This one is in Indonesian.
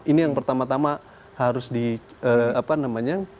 ini yang pertama tama harus di apa namanya